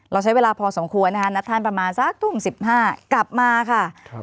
เราใช้เวลาพอสมควรนะคะนัดท่านประมาณสักทุ่ม๑๕กลับมาค่ะ